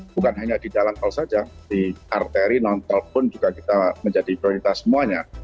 bukan hanya di jalan tol saja di arteri non tol pun juga kita menjadi prioritas semuanya